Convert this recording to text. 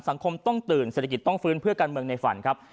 สังคมต้องตื่นเศรษฐกิจต้องฟื้นเพื่อการเมืองในฝันครับ